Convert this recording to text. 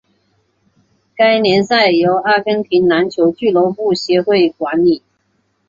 该联赛由阿根廷篮球俱乐部协会管理。